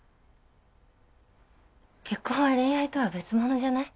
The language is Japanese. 結婚は恋愛とは別ものじゃない？